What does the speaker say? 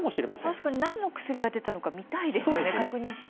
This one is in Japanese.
確かに何の薬が出たのか見たいですよね、確認したい。